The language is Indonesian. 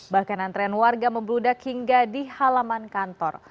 bahkan antrean warga membludak hingga di halaman kantor